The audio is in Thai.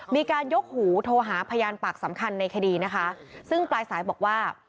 มีการยกหูโทรหาพยานปากสำคัญในคดีนะคะซึ่งปลายสายบอกว่า